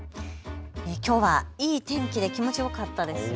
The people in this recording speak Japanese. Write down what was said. きょうはいい天気で気持ちよかったですよね。